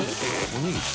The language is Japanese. おにぎり。